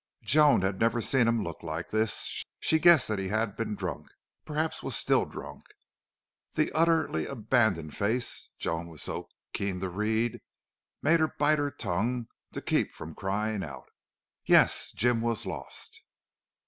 Joan had never seen him look like this. She guessed that he had been drunk perhaps was still drunk. That utterly abandoned face Joan was so keen to read made her bite her tongue to keep from crying out. Yes, Jim was lost.